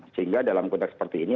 sehingga dalam konteks seperti ini